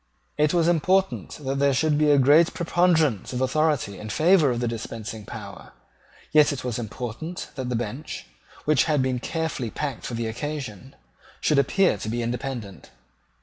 It was important that there should be a great preponderance of authority in favour of the dispensing power; yet it was important that the bench, which had been carefully packed for the occasion, should appear to be independent.